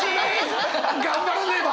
頑張らねば！